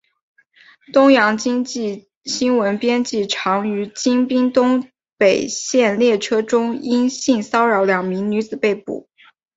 东洋经济新闻编辑长于京滨东北线列车中因性骚扰两名女子被捕。